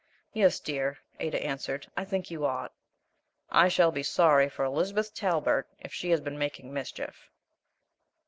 "Yes, dear," Ada answered, "I think you ought." I shall be sorry for Elizabeth Talbert if she has been making mischief.